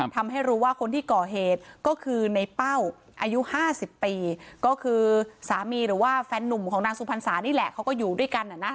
ทำให้รู้ว่าคนที่ก่อเหตุก็คือในเป้าอายุ๕๐ปีก็คือสามีหรือว่าแฟนนุ่มของนางสุพรรษานี่แหละเขาก็อยู่ด้วยกัน